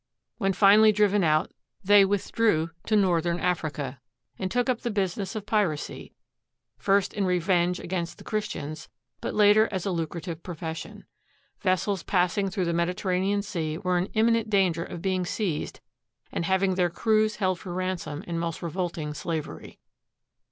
When finally driven out they withdrew to northern Africa and took up the business of piracy, first in revenge against the Chris tians, but later as a lucrative profession. Vessels passing through the Mediterranean Sea were in imminent danger of being seized and having their crews held for ransom in most revolting slavery.